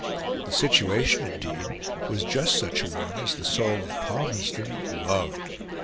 The situation, indeed, was just such a one as the soul of Palmerston loved.